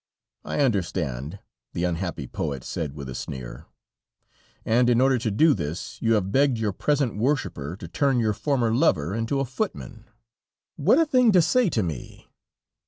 "I understand," the unhappy poet said with a sneer. "And in order to do this, you have begged your present worshiper, to turn your former lover into a footman." "What a thing to say to me!"